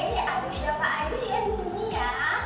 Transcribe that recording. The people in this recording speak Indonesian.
ini aku siapa aja ya disini ya